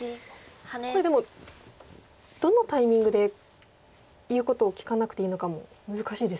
これでもどのタイミングで言うことを聞かなくていいのかも難しいですね。